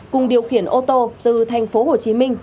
cùng điều khiển ô tô từ tp hồ chí minh